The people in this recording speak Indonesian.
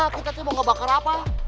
kita mau ngebakar apa